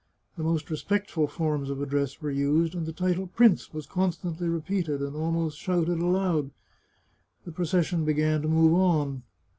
The most respectful forms of address were used, and the title " prince " was constantly repeated, and almost shouted aloud. The procession began to move on.